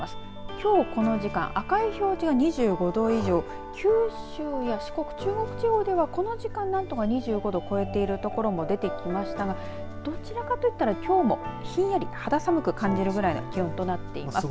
きょう、この時間赤い表示が２５度以上九州や四国、中国地方ではこの時間何とか２５度を超えている所も出てきましたがどちらかといったらきょうもひんやり肌寒く感じるくらいの気温となっています。